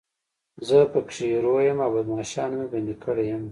زه پکې هیرو یم او بدماشانو مې بندي کړی یم.